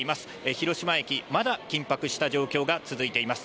広島駅、まだ緊迫した状況が続いています。